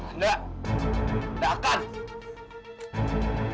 tidak tidak akan